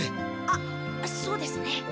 あっそうですね。